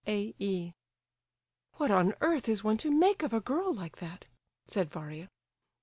"A. E." "What on earth is one to make of a girl like that?" said Varia.